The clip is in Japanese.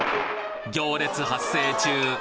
行列発生中！